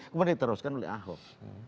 kemudian diteruskan oleh ahok